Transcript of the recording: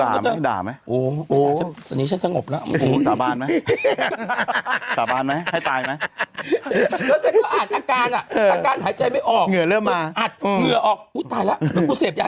แล้วกูเสียบยาแค่นมผมแบบไม่รู้ตัวหรือเปล่า